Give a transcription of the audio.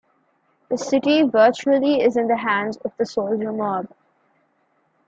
The city virtually is in the hands of the soldier mob.